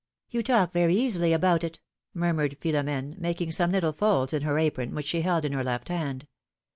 You talk very easily about it," murmured Philomene, making some little folds in her apron, which she held in her left hand.